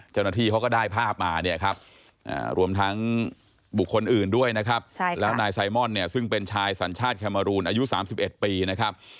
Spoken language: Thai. เจ้าหน้าที่เขาก็ได้ภาพมาเนี่ยครับรวมทั้งบุคคลอื่นด้วยนะครับแล้วนายไซมอนเนี่ยซึ่งเป็นชายสัญชาติแคมารูนอายุ๓๑ปีนะครับ